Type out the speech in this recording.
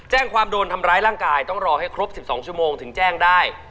แจ้งความโดนทำร้ายร่างกายต้องรอให้ครบ๑๒ชั่วโมงถึงแจ้งได้